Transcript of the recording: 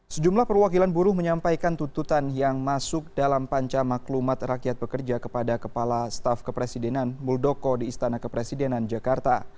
sejumlah perwakilan buruh menyampaikan tuntutan yang masuk dalam panca maklumat rakyat pekerja kepada kepala staf kepresidenan muldoko di istana kepresidenan jakarta